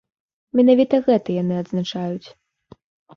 Менавіта гэта яны адзначаюць.